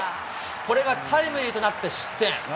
これがタイムリーとなって失点。